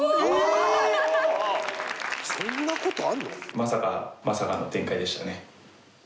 まさかまさかの展開でしたね。